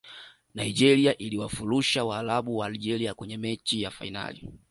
nigeria iliwafurusha waarabu wa algeria kwenye mechi ya fainali